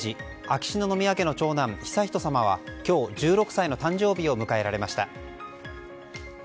秋篠宮家の長男悠仁さまは今日、１６歳の誕生日を迎えられました。